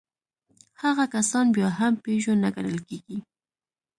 هغه کسان بيا هم پيژو نه ګڼل کېږي.